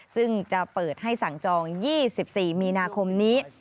ซึ่งจะเปิดให้สั่งจอง๒๔มีนาคมนี้